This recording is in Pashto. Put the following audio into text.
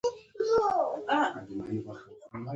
په دې توګه یې د خپل غیر ډیموکراټیک رژیم د پایښت هڅه کوله.